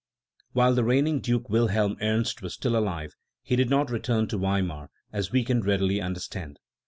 While the reigning Duke Wilhelni Ernst was still alive he did not return to Weimar, as we can readily under stand.